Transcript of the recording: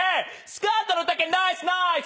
スカートの丈ナイスナーイス。